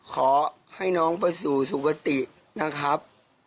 ขอให้น้องไปสู่สุขตินะครับ